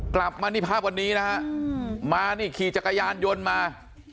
กลับมานี่ภาพวันนี้นะฮะมานี่ขี่จักรยานยนต์มา